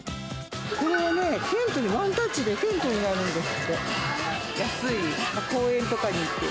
これはね、テントで、ワンタッチでテントになるんですって。